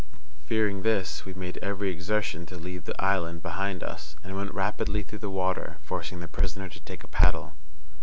Fearing this, we made every exertion to leave the island behind us, and went rapidly through the water, forcing the prisoner to take a paddle.